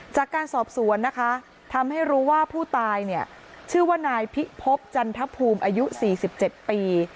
จากการสอบสวนนะคะทำให้รู้ว่าผู้ตายเนี่ยชื่อว่านายพิพบจันทภูมิอายุ๔๗ปี